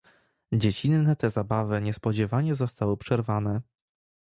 "Dziecinne te zabawy niespodzianie zostały przerwane."